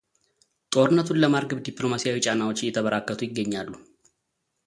ጦርነቱን ለማርገብ ዲፕሎማሲያዊ ጫናዎች እየተበራከቱ ይገኛሉ።